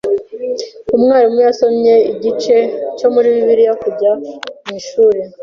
Umwarimu yasomye igice cyo muri Bibiliya kijya mu ishuri.